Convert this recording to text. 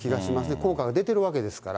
効果が出てるわけですから。